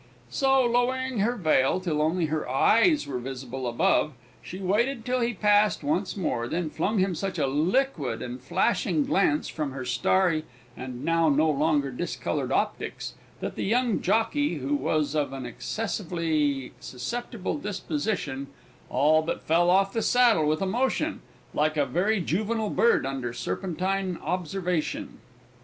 So, lowering her veil till only her eyes were visible above, she waited till he passed once more, then flung him such a liquid and flashing glance from her starry and now no longer discoloured optics that the young jockey, who was of an excessively susceptible disposition, all but fell off the saddle with emotion, like a very juvenile bird under serpentine observation.